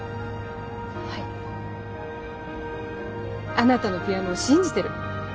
あなたのピアノを信じてる。